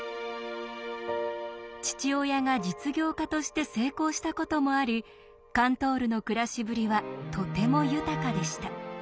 父親が実業家として成功したこともありカントールの暮らしぶりはとても豊かでした。